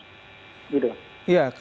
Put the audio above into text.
iya kalau kita bicara